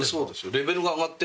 レベルが上がってる。